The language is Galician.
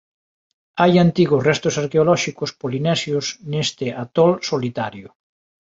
Hai antigos restos arqueolóxicos polinesios neste atol solitario.